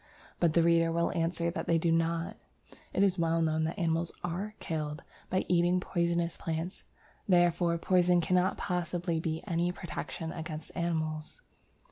But the reader will answer that they do not; it is well known that animals are killed by eating poisonous plants, therefore poison cannot possibly be any protection against animals.